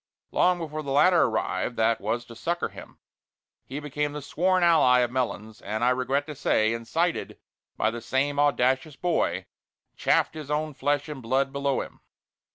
Long before the ladder arrived that was to succor him, he became the sworn ally of Melons, and, I regret to say, incited by the same audacious boy, "chaffed" his own flesh and blood below him.